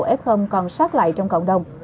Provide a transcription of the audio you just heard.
chính quyền thành phố f còn sát lại trong cộng đồng